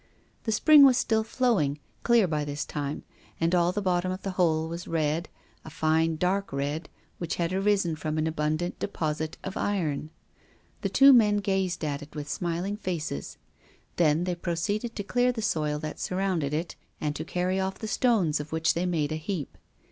The spring was still flowing, clear by this time, and all the bottom of the hole was red, a fine, dark red, which had arisen from an abundant deposit of iron. The two men gazed at it with smiling faces, then they proceeded to clear the soil that surrounded it, and to carry off the stones of which they made a heap.